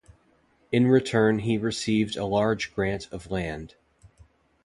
In return he received a large grant of land.